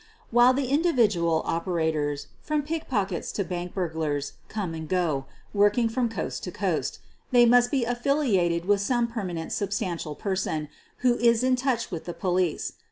While the individual operators, from pickpockets to bank burglars, come and go, working from coast to coast, they must be affiliated with some perma nent substantial person who is in touch with the police.